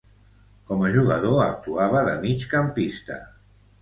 Com a jugador, actuava de migcampista.